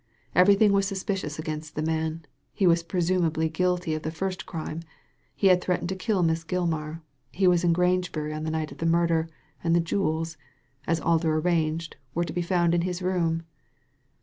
Everything was suspicious against the man. He was presumably guilty of the first crime, he had threatened to kill Miss Gilmar, he was in Grangebury on the night of the murder, and the jewels — as Alder arranged — were to be found in his room."